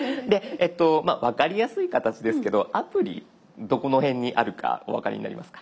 分かりやすい形ですけどアプリどこの辺にあるかお分かりになりますか？